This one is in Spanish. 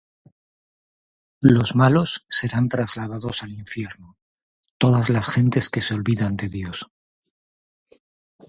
Los malos serán trasladados al infierno, Todas las gentes que se olvidan de Dios.